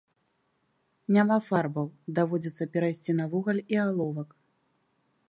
Няма фарбаў, даводзіцца перайсці на вугаль і аловак.